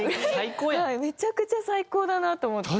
めちゃくちゃ最高だなと思って。